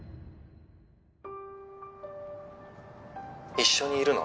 ☎一緒にいるの？